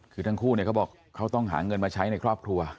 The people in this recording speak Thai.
คือทั้งคู่เขาบอกเขาต้องหาเงินมาใช้ในครอบครัว